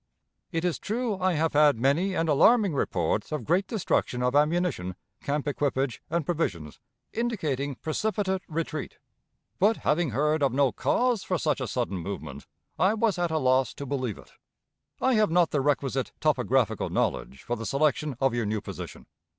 "It is true I have had many and alarming reports of great destruction of ammunition, camp equipage, and provisions, indicating precipitate retreat; but, having heard of no cause for such a sudden movement, I was at a loss to believe it. "I have not the requisite topographical knowledge for the selection of your new position.